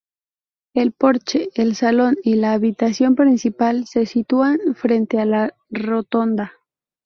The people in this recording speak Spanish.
El porche, el salón y la habitación principal se sitúan frente a la rotonda.